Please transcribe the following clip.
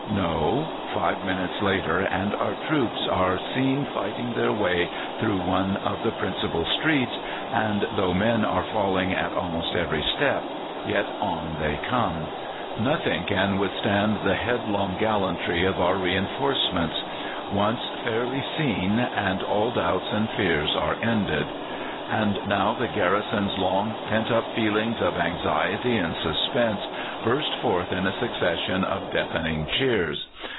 No. Five minutes later, and our troops are seen fighting their way through one of the principal streets, and though men are falling at almost every step, yet on they come. Nothing can withstand the headlong gallantry of our reinforcements. Once fairly seen and all doubts and fears are ended. And now the garrison's long pent up feelings of anxiety and suspense burst forth in a succession of deafening cheers.